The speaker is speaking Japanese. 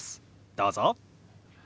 どうぞ。